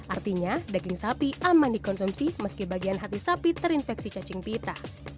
artinya daging sapi aman dikonsumsi meski bagian hati sapi terinfeksi cacing pita